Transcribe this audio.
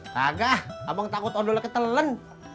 kagah abang takut odol lagi telen